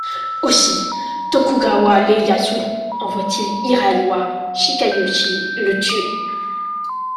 Aussi Tokugawa Ieyasu envoie-t-il Hiraiwa Chikayoshi le tuer.